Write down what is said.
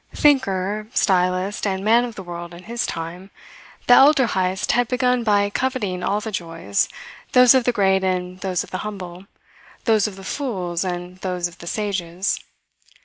Thinker, stylist, and man of the world in his time, the elder Heyst had begun by coveting all the joys, those of the great and those of the humble, those of the fools and those of the sages.